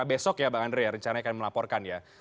besok ya pak andre rencana kalian melaporkan ya